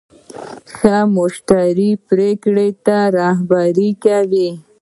ښه مشوره مشتری پرېکړې ته رهبري کوي.